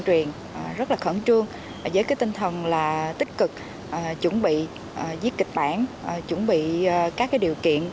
truyền rất là khẩn trương với tinh thần là tích cực chuẩn bị viết kịch bản chuẩn bị các điều kiện